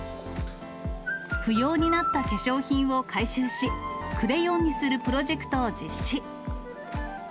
不要になった化粧品を回収し、クレヨンにするプロジェクトを実施。